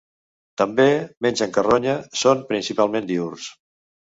També, mengen carronya, són principalment diürns.